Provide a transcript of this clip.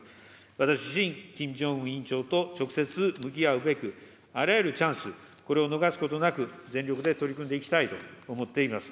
私自身、キム・ジョンウン委員長と直接向き合うべく、あらゆるチャンス、これを逃すことなく、全力で取り組んでいきたいと思っています。